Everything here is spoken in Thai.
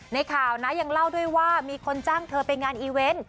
ในข่าวนะยังเล่าด้วยว่ามีคนจ้างเธอไปงานอีเวนต์